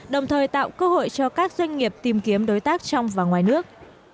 đồng thời tạo cơ hội cho các doanh nghiệp tìm kiếm đối tác trong và ngoài nước